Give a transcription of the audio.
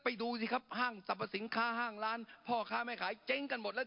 ดูสิครับห้างสรรพสินค้าห้างร้านพ่อค้าแม่ขายเจ๊งกันหมดแล้ว